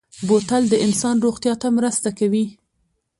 بوتل د انسان روغتیا ته مرسته کوي.